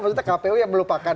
maksudnya kpu yang melupakan